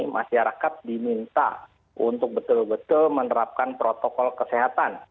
masyarakat diminta untuk betul betul menerapkan protokol kesehatan